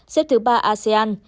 xếp thứ ba asean